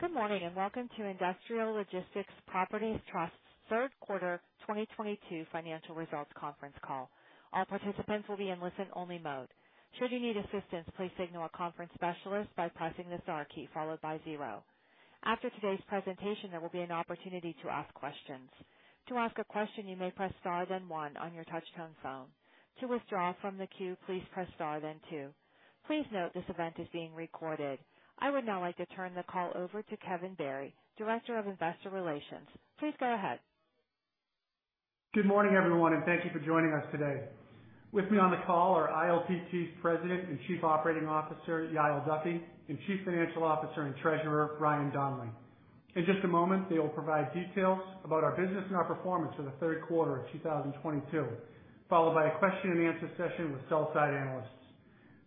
Good morning, and welcome to Industrial Logistics Properties Trust Third Quarter 2022 Financial Results Conference Call. All participants will be in listen-only mode. Should you need assistance, please signal a conference specialist by pressing the star key followed by zero. After today's presentation, there will be an opportunity to ask questions. To ask a question, you may press star then one on your touchtone phone. To withdraw from the queue, please press star then two. Please note this event is being recorded. I would now like to turn the call over to Kevin Barry, Director of Investor Relations. Please go ahead. Good morning, everyone, and thank you for joining us today. With me on the call are ILPT's President and Chief Operating Officer, Yael Duffy, and Chief Financial Officer and Treasurer, Brian Donley. In just a moment, they will provide details about our business and our performance for the third quarter of 2022, followed by a question-and-answer session with sell-side analysts.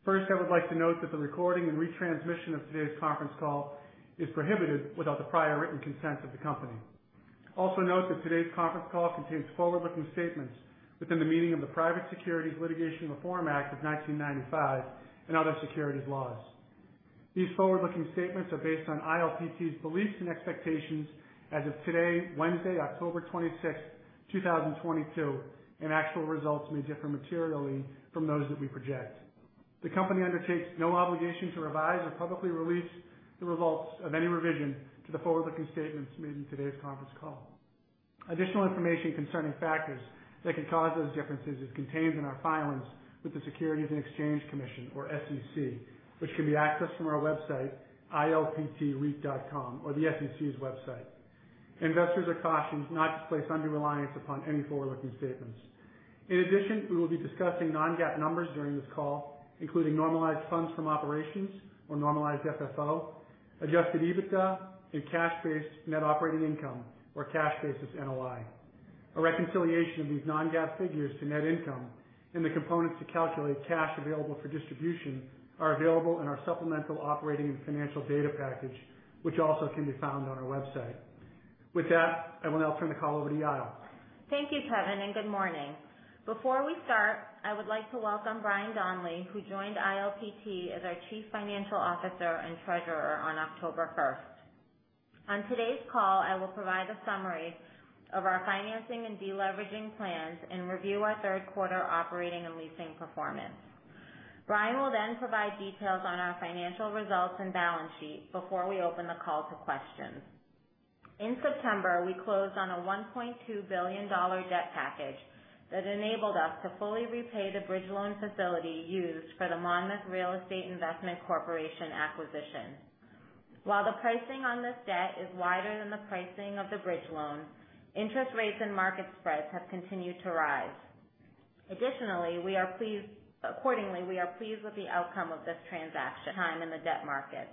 First, I would like to note that the recording and retransmission of today's conference call is prohibited without the prior written consent of the company. Also note that today's conference call contains forward-looking statements within the meaning of the Private Securities Litigation Reform Act of 1995 and other securities laws. These forward-looking statements are based on ILPT's beliefs and expectations as of today, Wednesday, October 26th, 2022, and actual results may differ materially from those that we project. The company undertakes no obligation to revise or publicly release the results of any revision to the forward-looking statements made in today's conference call. Additional information concerning factors that could cause those differences is contained in our filings with the Securities and Exchange Commission, or SEC, which can be accessed from our website, ilptreit.com, or the SEC's website. Investors are cautioned not to place undue reliance upon any forward-looking statements. In addition, we will be discussing non-GAAP numbers during this call, including normalized funds from operations or Normalized FFO, Adjusted EBITDA and cash basis net operating income or cash basis NOI. A reconciliation of these non-GAAP figures to net income and the components to calculate cash available for distribution are available in our supplemental operating and financial data package, which also can be found on our website. With that, I will now turn the call over to Yael. Thank you, Kevin, and good morning. Before we start, I would like to welcome Brian Donley, who joined ILPT as our Chief Financial Officer and Treasurer on October 1st. On today's call, I will provide a summary of our financing and de-leveraging plans and review our third quarter operating and leasing performance. Brian will then provide details on our financial results and balance sheet before we open the call to questions. In September, we closed on a $1.2 billion debt package that enabled us to fully repay the bridge loan facility used for the Monmouth Real Estate Investment Corporation acquisition. While the pricing on this debt is wider than the pricing of the bridge loan, interest rates and market spreads have continued to rise. Additionally, accordingly, we are pleased with the outcome of this transaction at this time in the debt market.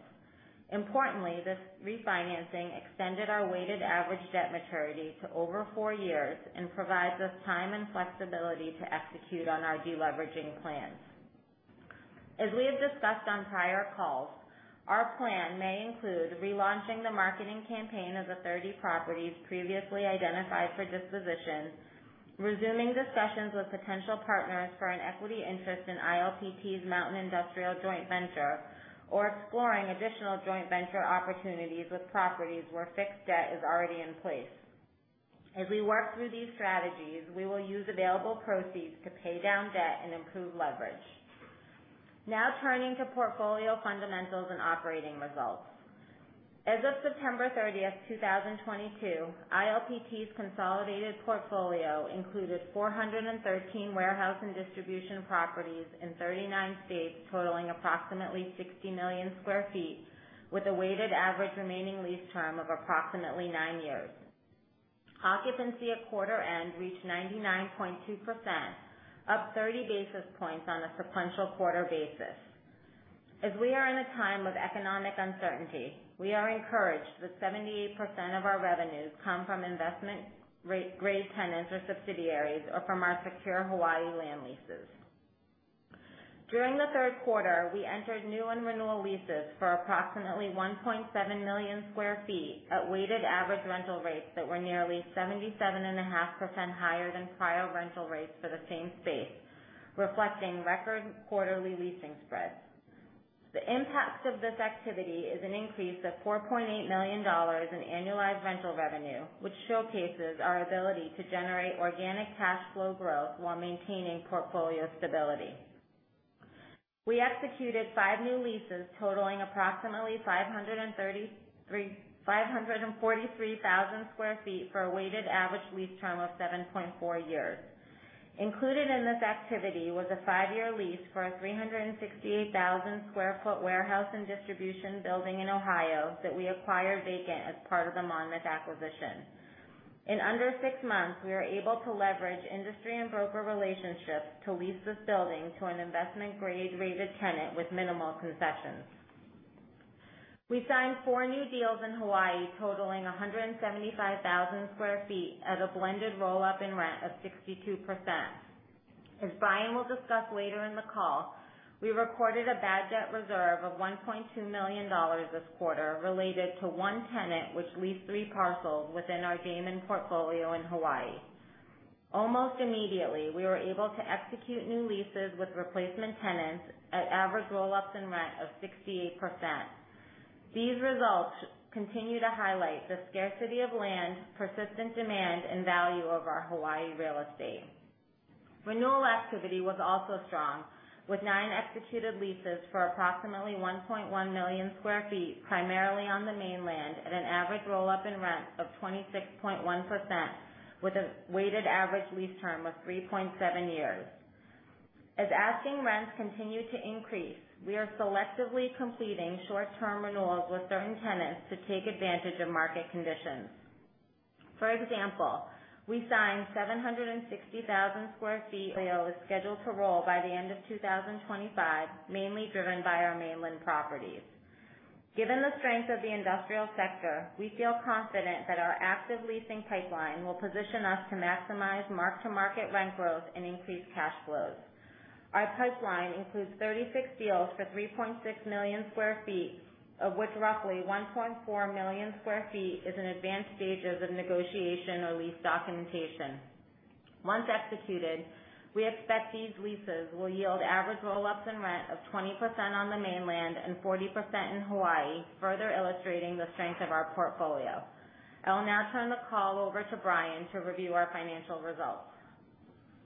Importantly, this refinancing extended our weighted average debt maturity to over four years and provides us time and flexibility to execute on our de-leveraging plans. As we have discussed on prior calls, our plan may include relaunching the marketing campaign of the 30 properties previously identified for disposition, resuming discussions with potential partners for an equity interest in ILPT's Mountain Industrial joint venture, or exploring additional joint venture opportunities with properties where fixed debt is already in place. As we work through these strategies, we will use available proceeds to pay down debt and improve leverage. Now turning to portfolio fundamentals and operating results. As of September 30th, 2022, ILPT's consolidated portfolio included 413 warehouse and distribution properties in 39 states, totaling approximately 60 million sq ft with a weighted average remaining lease term of approximately nine years. Occupancy at quarter end reached 99.2%, up 30 basis points on a sequential quarter basis. As we are in a time of economic uncertainty, we are encouraged that 78% of our revenues come from investment-grade tenants or subsidiaries, or from our secure Hawaii land leases. During the third quarter, we entered new and renewal leases for approximately 1.7 million sq ft at weighted average rental rates that were nearly 77.5% higher than prior rental rates for the same space, reflecting record quarterly leasing spreads. The impact of this activity is an increase of $4.8 million in annualized rental revenue, which showcases our ability to generate organic cash flow growth while maintaining portfolio stability. We executed five new leases totaling approximately 543,000 sq ft for a weighted average lease term of 7.4 years. Included in this activity was a five-year lease for a 368,000 sq ft warehouse and distribution building in Ohio that we acquired vacant as part of the Monmouth acquisition. In under six months, we are able to leverage industry and broker relationships to lease this building to an investment grade rated tenant with minimal concessions. We signed four new deals in Hawaii totaling 175,000 sq ft at a blended roll-up in rent of 62%. As Brian will discuss later in the call, we recorded a bad debt reserve of $1.2 million this quarter related to one tenant which leased three parcels within our Gehman portfolio in Hawaii. Almost immediately, we were able to execute new leases with replacement tenants at average roll-ups in rent of 68%. These results continue to highlight the scarcity of land, persistent demand, and value of our Hawaii real estate. Renewal activity was also strong, with nine executed leases for approximately 1.1 million sq ft, primarily on the mainland, at an average roll-up in rent of 26.1%, with a weighted average lease term of 3.7 years. As asking rents continue to increase, we are selectively completing short-term renewals with certain tenants to take advantage of market conditions. For example, we have 760,000 sq ft scheduled to roll by the end of 2025, mainly driven by our mainland properties. Given the strength of the industrial sector, we feel confident that our active leasing pipeline will position us to maximize mark-to-market rent growth and increase cash flows. Our pipeline includes 36 deals for 3.6 million sq ft, of which roughly 1.4 million sq ft is in advanced stages of negotiation or lease documentation. Once executed, we expect these leases will yield average roll-ups in rent of 20% on the mainland and 40% in Hawaii, further illustrating the strength of our portfolio. I will now turn the call over to Brian to review our financial results.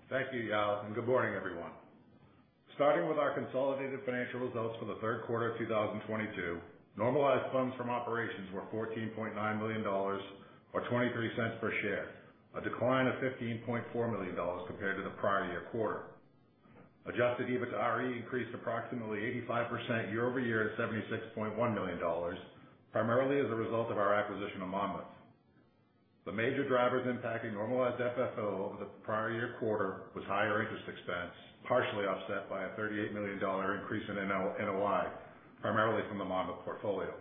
Thank you, Yael, and good morning, everyone. Starting with our consolidated financial results for the third quarter of 2022, normalized funds from operations were $14.9 million, or 23 cents per share, a decline of $15.4 million compared to the prior year quarter. Adjusted EBITDAre increased approximately 85% year-over-year to $76.1 million, primarily as a result of our acquisition of Monmouth. The major drivers impacting normalized FFO over the prior year quarter was higher interest expense, partially offset by a $38 million increase in NOI, primarily from the Monmouth portfolio.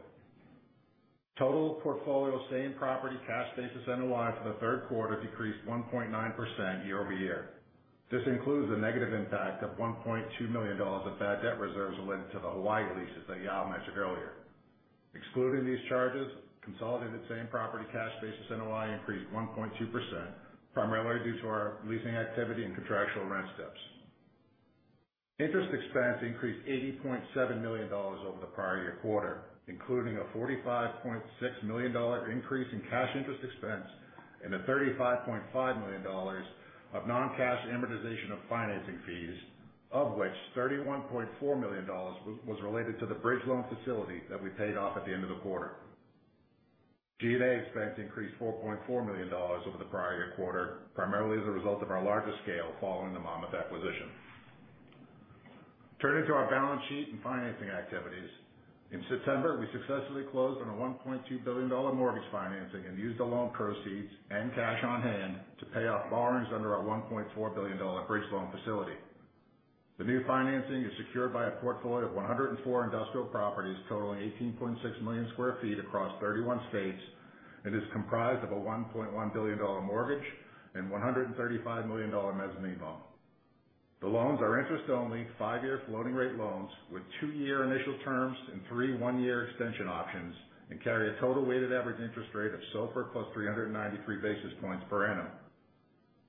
Total portfolio same-property cash basis NOI for the third quarter decreased 1.9% year-over-year. This includes a negative impact of $1.2 million of bad debt reserves related to the Hawaii leases that Yael mentioned earlier. Excluding these charges, consolidated same-property Cash Basis NOI increased 1.2%, primarily due to our leasing activity and contractual rent steps. Interest expense increased $80.7 million over the prior year quarter, including a $45.6 million increase in cash interest expense and $35.5 million of non-cash amortization of financing fees, of which $31.4 million was related to the bridge loan facility that we paid off at the end of the quarter. G&A expense increased $4.4 million over the prior year quarter, primarily as a result of our larger scale following the Monmouth acquisition. Turning to our balance sheet and financing activities. In September, we successfully closed on a $1.2 billion-dollar mortgage financing and used the loan proceeds and cash on hand to pay off borrowings under our $1.4 billion-dollar bridge loan facility. The new financing is secured by a portfolio of 104 industrial properties totaling 18.6 million sq ft across 31 states, and is comprised of a $1.1 billion mortgage and $135 million mezzanine loan. The loans are interest-only, five-year floating rate loans with two-year initial terms and three one-year extension options, and carry a total weighted average interest rate of SOFR+ 393 basis points per annum.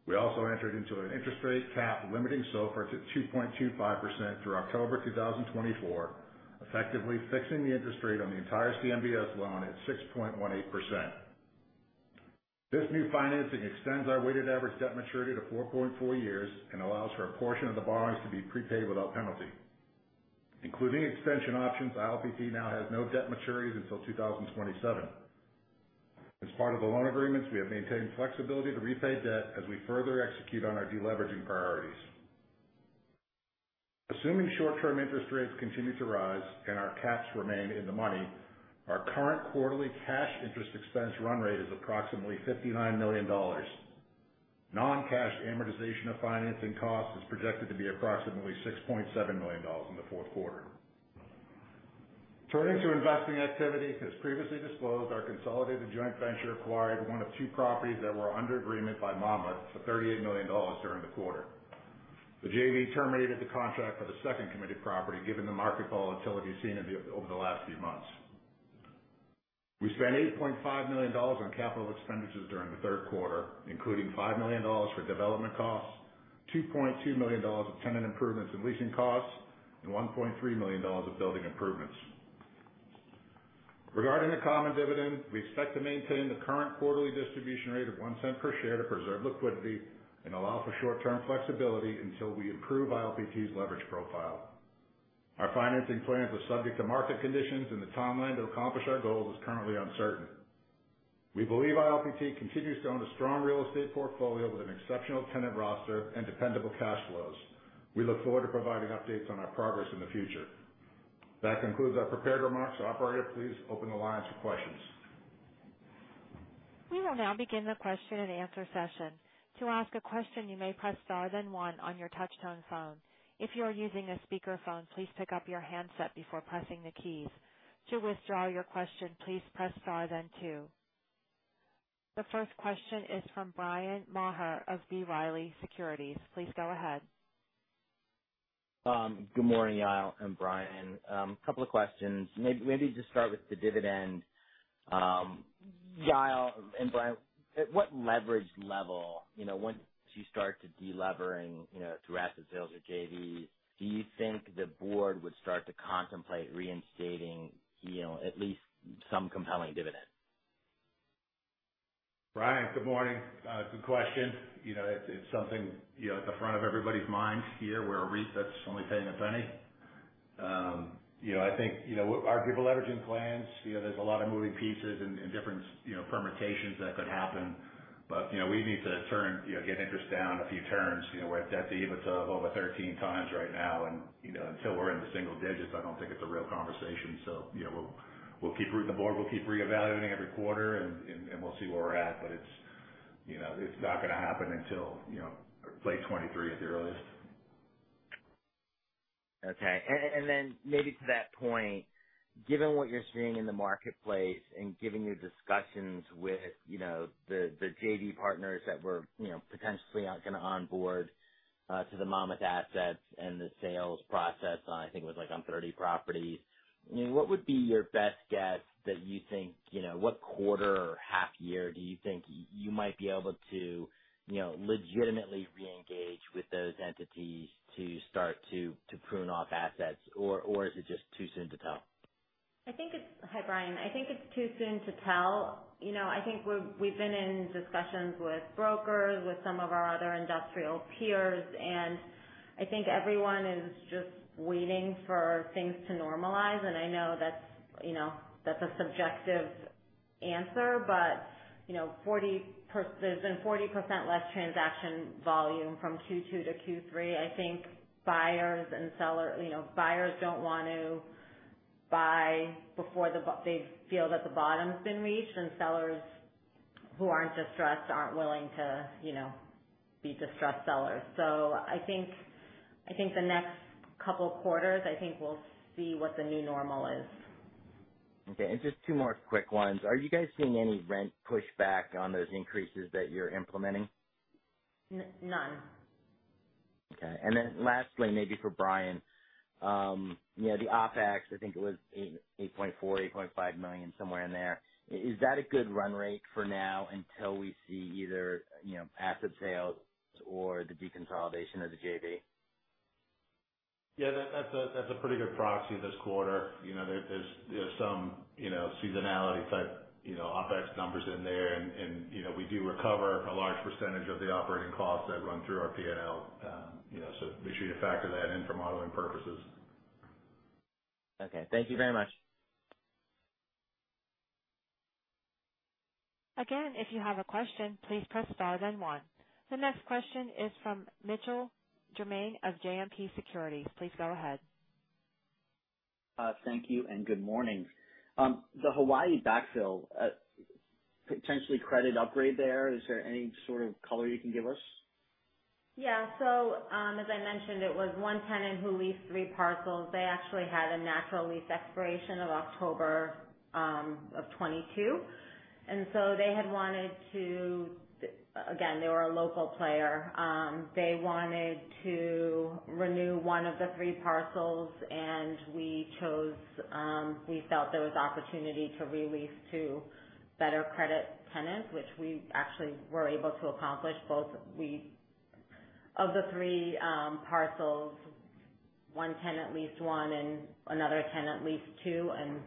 We also entered into an interest rate cap limiting SOFR to 2.25% through October 2024, effectively fixing the interest rate on the entire CMBS loan at 6.18%. This new financing extends our weighted average debt maturity to 4.4 years and allows for a portion of the borrowings to be prepaid without penalty. Including extension options, ILPT now has no debt maturities until 2027. As part of the loan agreements, we have maintained flexibility to repay debt as we further execute on our deleveraging priorities. Assuming short-term interest rates continue to rise and our caps remain in the money, our current quarterly cash interest expense run rate is approximately $59 million. Non-cash amortization of financing costs is projected to be approximately $6.7 million in the fourth quarter. Turning to investing activity, as previously disclosed, our consolidated joint venture acquired one of two properties that were under agreement by Monmouth for $38 million during the quarter. The JV terminated the contract for the second committed property, given the market volatility seen over the last few months. We spent $8.5 million on capital expenditures during the third quarter, including $5 million for development costs, $2.2 million of tenant improvements and leasing costs, and $1.3 million of building improvements. Regarding the common dividend, we expect to maintain the current quarterly distribution rate of $0.01 per share to preserve liquidity and allow for short-term flexibility until we improve ILPT's leverage profile. Our financing plans are subject to market conditions, and the timeline to accomplish our goal is currently uncertain. We believe ILPT continues to own a strong real estate portfolio with an exceptional tenant roster and dependable cash flows. We look forward to providing updates on our progress in the future. That concludes our prepared remarks. Operator, please open the line for questions. We will now begin the question and answer session. To ask a question, you may press star then one on your touch-tone phone. If you are using a speakerphone, please pick up your handset before pressing the keys. To withdraw your question, please press star then two. The first question is from Bryan Maher of B. Riley Securities. Please go ahead. Good morning, Yael and Brian. Couple of questions. Maybe just start with the dividend. Yael and Brian, at what leverage level, you know, once you start to deleveraging, you know, through asset sales or JVs, do you think the board would start to contemplate reinstating, you know, at least some compelling dividend? Bryan, good morning. Good question. You know, it's something, you know, at the front of everybody's minds here. We're a REIT that's only paying a penny. You know, I think, you know, our deleveraging plans, you know, there's a lot of moving pieces and different, you know, permutations that could happen. You know, we need to get interest down a few turns. You know, we're at debt to EBITDA of over 13x right now. You know, until we're in the single digits, I don't think it's a real conversation. You know, we'll keep reviewing. The board will keep reevaluating every quarter and we'll see where we're at. It's, you know, it's not gonna happen until, you know, late 2023 at the earliest. Okay. Maybe to that point, given what you're seeing in the marketplace and given your discussions with, you know, the JV partners that we're, you know, potentially are gonna onboard to the Monmouth assets and the sales process, I think it was like on 30 properties. I mean, what would be your best guess that you think, you know, what quarter or half year do you think you might be able to, you know, legitimately reengage with those entities to start to prune off assets? Or is it just too soon to tell? Hi, Brian. I think it's too soon to tell. You know, I think we've been in discussions with brokers, with some of our other industrial peers, and I think everyone is just waiting for things to normalize. I know that's a subjective answer, but, you know, 40%. There's been 40% less transaction volume from Q2 to Q3. I think buyers and sellers, you know, buyers don't want to buy before they feel that the bottom's been reached, and sellers who aren't distressed aren't willing to, you know, be distressed sellers. I think the next couple of quarters, I think we'll see what the new normal is. Okay. Just two more quick ones. Are you guys seeing any rent pushback on those increases that you're implementing? N-none. Okay. Lastly, maybe for Brian, you know, the OpEx, I think it was $8.4 million-$8.5 million, somewhere in there. Is that a good run rate for now until we see either, you know, asset sales or the deconsolidation of the JV? Yeah, that's a pretty good proxy this quarter. You know, there's some, you know, seasonality type, you know, OpEx numbers in there and, you know, we do recover a large percentage of the operating costs that run through our P&L, you know. Be sure you factor that in for modeling purposes. Okay. Thank you very much. Again, if you have a question, please press star then one. The next question is from Mitch Germain of JMP Securities. Please go ahead. Thank you and good morning. The Hawaii backfill, potentially credit upgrade there, is there any sort of color you can give us? Yeah. As I mentioned, it was one tenant who leased three parcels. They actually had a natural lease expiration of October of 2022. They had wanted to. Again, they were a local player. They wanted to renew one of the three parcels, and we chose. We felt there was opportunity to re-lease to better credit tenants, which we actually were able to accomplish. Of the three parcels, one tenant leased one and another tenant leased two, and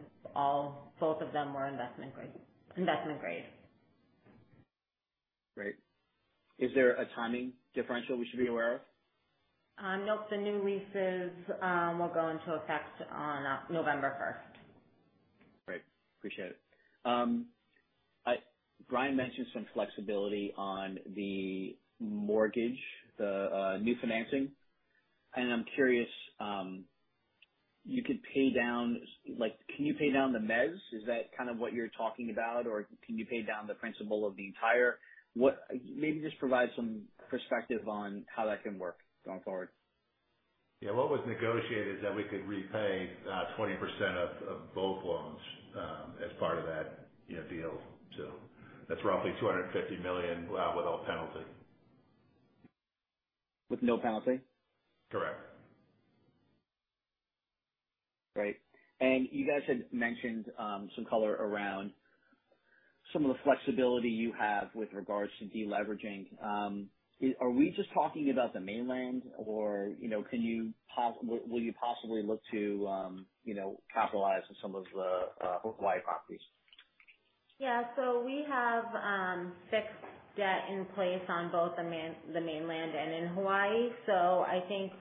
both of them were investment grade. Great. Is there a timing differential we should be aware of? Nope. The new leases will go into effect on November 1st. Great. Appreciate it. Brian mentioned some flexibility on the mortgage, the new financing. I'm curious, like can you pay down the mezz? Is that kind of what you're talking about? Or can you pay down the principal of the entire. Maybe just provide some perspective on how that can work going forward. What was negotiated is that we could repay 20% of both loans as part of that, you know, deal. That's roughly $250 million without a penalty. With no penalty? Correct. Great. You guys had mentioned some color around some of the flexibility you have with regards to deleveraging. Are we just talking about the mainland or, you know, will you possibly look to, you know, capitalize on some of the Hawaii properties? We have fixed debt in place on both the mainland and in Hawaii. I think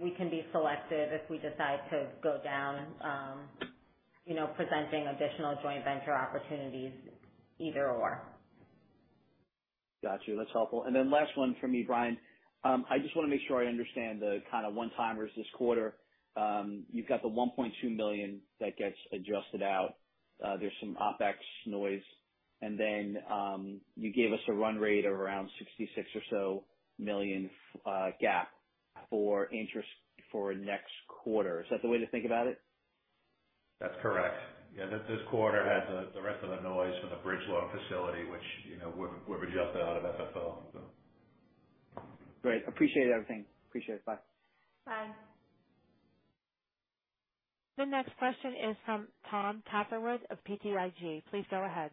we can be selective if we decide to go down, you know, presenting additional joint venture opportunities, either or. Got you. That's helpful. Then last one for me, Brian. I just wanna make sure I understand the kinda one-timers this quarter. You've got the $1.2 million that gets adjusted out. There's some OpEx noise. You gave us a run rate of around $66 million or so GAAP interest for next quarter. Is that the way to think about it? That's correct. Yeah, this quarter had the rest of the noise from the bridge loan facility, which, you know, we're adjusted out of FFO, so. Great. Appreciate everything. Appreciate it. Bye. Bye. The next question is from Tom Catherwood of BTIG. Please go ahead.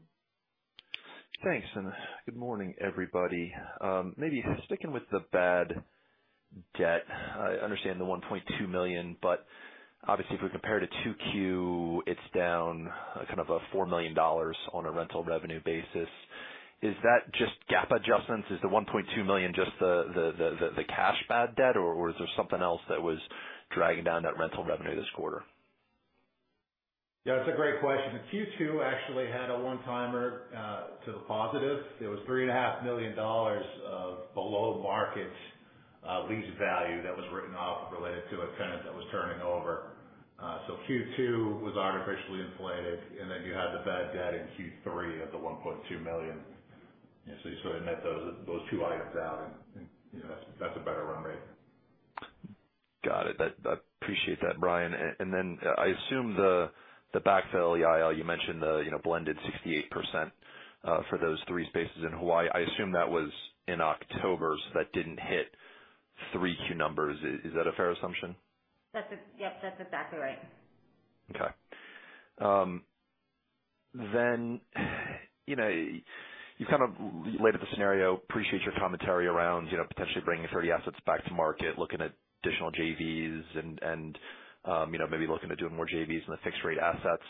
Thanks, and good morning, everybody. Maybe sticking with the bad debt, I understand the $1.2 million, but obviously, if we compare to 2Q, it's down kind of $4 million on a rental revenue basis. Is that just GAAP adjustments? Is the $1.2 million just the cash bad debt, or is there something else that was dragging down that rental revenue this quarter? Yeah, it's a great question. Q2 actually had a one-timer to the positive. It was $3.5 million of below-market lease value that was written off related to a tenant that was turning over. So Q2 was artificially inflated, and then you had the bad debt in Q3 of the $1.2 million. You know, so you sort of net those two items out and you know that's a better run rate. Got it. I appreciate that, Brian. And then I assume the backfill, Yael, you mentioned, you know, blended 68% for those three spaces in Hawaii. I assume that was in October, so that didn't hit 3Q numbers. Is that a fair assumption? That's it. Yep, that's exactly right. Okay. You know, you kind of laid out the scenario, appreciate your commentary around, you know, potentially bringing 30 assets back to market, looking at additional JVs and, you know, maybe looking to doing more JVs in the fixed rate assets,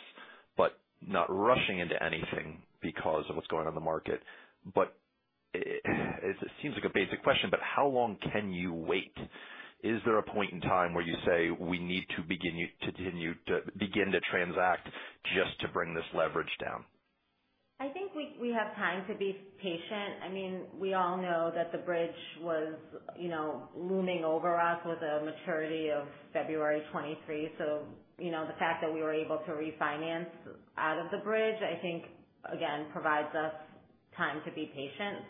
but not rushing into anything because of what's going on in the market. It seems like a basic question, but how long can you wait? Is there a point in time where you say, "We need to begin to transact just to bring this leverage down? I think we have time to be patient. I mean, we all know that the bridge was, you know, looming over us with a maturity of February 2023. You know, the fact that we were able to refinance out of the bridge, I think, again, provides us time to be patient.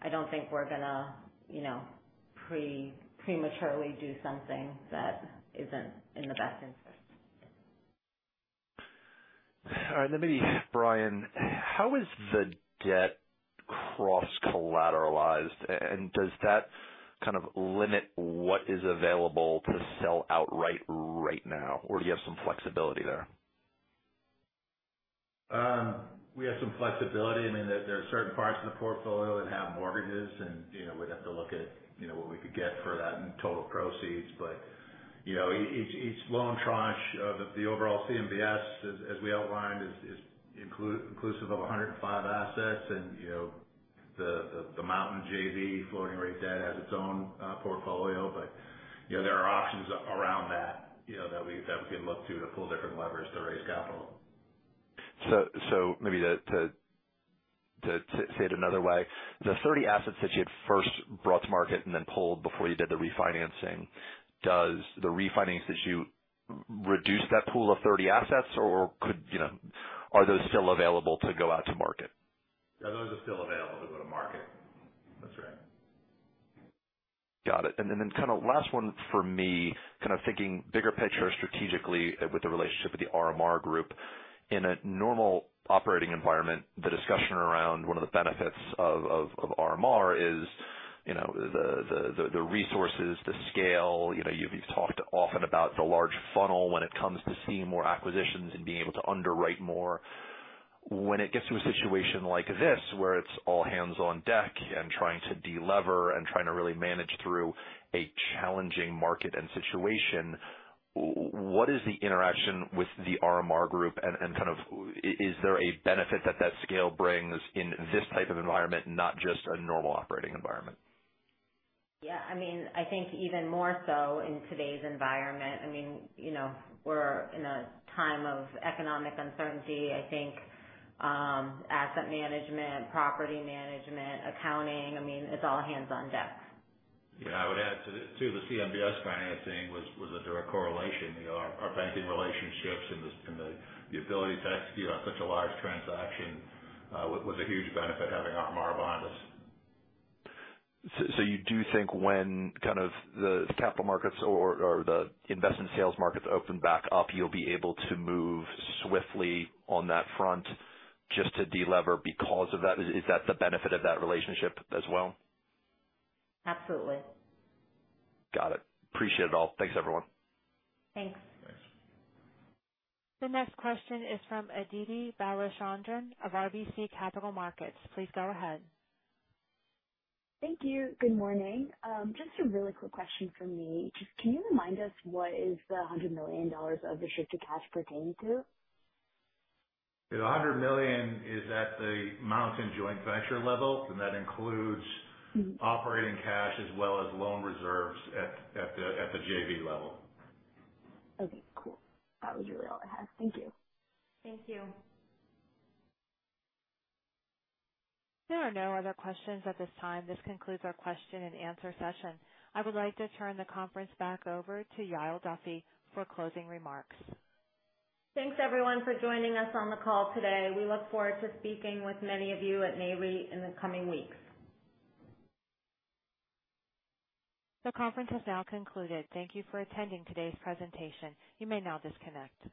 I don't think we're gonna, you know, prematurely do something that isn't in the best interest. All right. Brian, how is the debt cross-collateralized? Does that kind of limit what is available to sell outright right now? Do you have some flexibility there? We have some flexibility. I mean, there are certain parts of the portfolio that have mortgages and, you know, we'd have to look at, you know, what we could get for that in total proceeds. You know, each loan tranche of the overall CMBS, as we outlined, is inclusive of 105 assets. You know, the Mountain JV floating rate debt has its own portfolio. You know, there are options around that, you know, that we can look to to pull different levers to raise capital. Maybe to say it another way, the 30 assets that you had first brought to market and then pulled before you did the refinancing, does the refinancing issue reduce that pool of 30 assets? Or, you know, are those still available to go out to market? Yeah, those are still available to go to market. That's right. Got it. Kinda last one for me, kind of thinking bigger picture strategically with the relationship with The RMR Group. In a normal operating environment, the discussion around one of the benefits of RMR is, you know, the resources, the scale. You know, you've talked often about the large funnel when it comes to seeing more acquisitions and being able to underwrite more. When it gets to a situation like this, where it's all hands on deck and trying to de-lever and trying to really manage through a challenging market and situation, what is the interaction with The RMR Group and kind of is there a benefit that that scale brings in this type of environment, not just a normal operating environment? Yeah, I mean, I think even more so in today's environment. I mean, you know, we're in a time of economic uncertainty. I think, asset management, property management, accounting, I mean, it's all hands on deck. Yeah, I would add to the CMBS financing was a direct correlation. You know, our banking relationships and the ability to execute on such a large transaction was a huge benefit having RMR behind us. You do think when kind of the capital markets or the investment sales markets open back up, you'll be able to move swiftly on that front just to de-lever because of that? Is that the benefit of that relationship as well? Absolutely. Got it. Appreciate it all. Thanks, everyone. Thanks. Thanks. The next question is from Aditi Balachandran of RBC Capital Markets. Please go ahead. Thank you. Good morning. Just a really quick question from me. Just can you remind us what is the $100 million of the shift to cash pertaining to? The $100 million is at the Mountain Industrial joint venture level, and that includes- Mm-hmm. operating cash as well as loan reserves at the JV level. Okay, cool. That was really all I had. Thank you. Thank you. There are no other questions at this time. This concludes our question and answer session. I would like to turn the conference back over to Yael Duffy for closing remarks. Thanks, everyone, for joining us on the call today. We look forward to speaking with many of you at Nareit in the coming weeks. The conference has now concluded. Thank you for attending today's presentation. You may now disconnect.